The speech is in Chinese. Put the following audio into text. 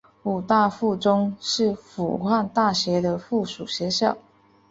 武大附中是武汉大学的附属学校。